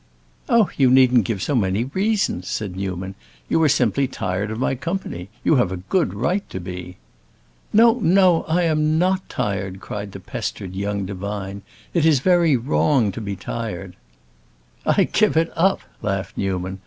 "Oh, you needn't give so many reasons," said Newman. "You are simply tired of my company. You have a good right to be." "No, no, I am not tired!" cried the pestered young divine. "It is very wrong to be tired." "I give it up!" laughed Newman.